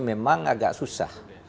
memang agak susah